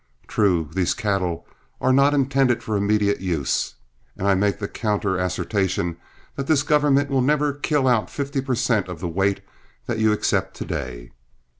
True, these cattle are not intended for immediate use, and I make the counter assertion that this government will never kill out fifty per cent. of the weight that you accept to day.